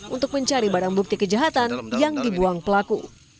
untuk mencari barang bukti kejahatan yang dibuang pelaku